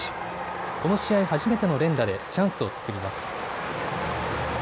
この試合初めての連打でチャンスを作ります。